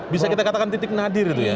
bisa kita katakan titik nadir itu ya